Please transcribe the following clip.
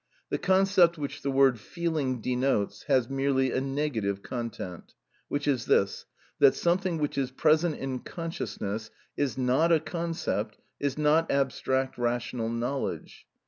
The concept which the word feeling denotes has merely a negative content, which is this, that something which is present in consciousness, is not a concept, is not abstract rational knowledge.